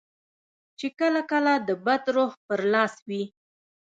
چې کله کله د بد روح پر لاس وي.